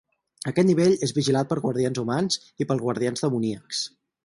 Aquest nivell és vigilat per guardians humans i pels Guardians Demoníacs.